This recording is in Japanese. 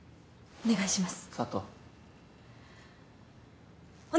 お願いします！